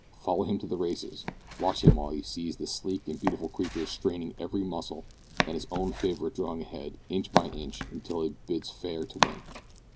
Follow him to the races. Watch him while he sees the sleek and beautiful creatures straining every muscle, and his own favourite drawing ahead, inch by inch, until it bids fair to win.